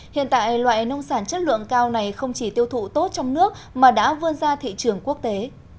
hiện tại loại nông sản chất lượng cao này không chỉ tiêu thụ tốt trong nước mà đã vươn ra thị trường quốc tế